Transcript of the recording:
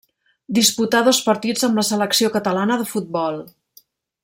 Disputà dos partits amb la selecció catalana de futbol.